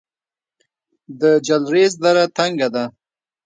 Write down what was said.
د جلریز دره تنګه ده